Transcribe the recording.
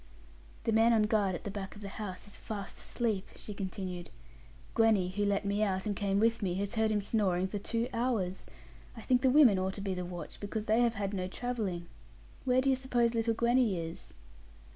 'The man on guard at the back of the house is fast asleep,' she continued; 'Gwenny, who let me out, and came with me, has heard him snoring for two hours. I think the women ought to be the watch, because they have had no travelling. Where do you suppose little Gwenny is?'